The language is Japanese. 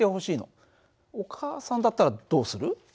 お母さんだったらどうする？